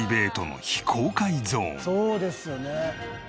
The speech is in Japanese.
そうですよね。